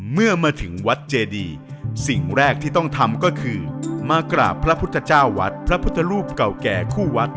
เมื่อมาถึงวัดเจดีสิ่งแรกที่ต้องทำก็คือมากราบพระพุทธเจ้าวัดพระพุทธรูปเก่าแก่คู่วัด